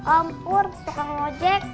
om pur tukang ojek